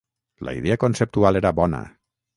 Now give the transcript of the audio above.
La idea conceptual era bona.